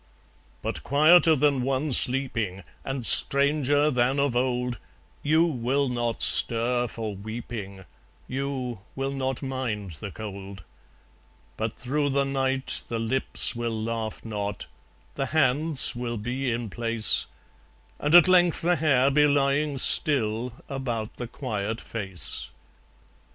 But quieter than one sleeping, And stranger than of old, You will not stir for weeping, You will not mind the cold; But through the night the lips will laugh not, The hands will be in place, And at length the hair be lying still About the quiet face.